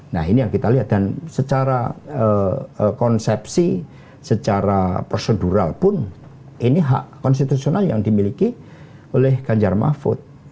nah ini yang kita lihat dan secara konsepsi secara prosedural pun ini hak konstitusional yang dimiliki oleh ganjar mahfud